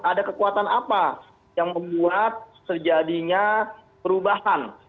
ada kekuatan apa yang membuat sejadinya perubahan